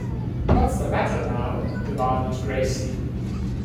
“What’s the matter now?” demanded Gracie.